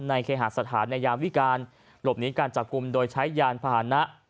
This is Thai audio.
เคหาสถานในยามวิการหลบหนีการจับกลุ่มโดยใช้ยานพาหนะ